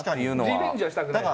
リベンジはしたくないです。